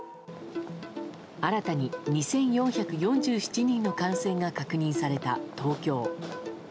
新たに２４４７人の感染が確認された東京。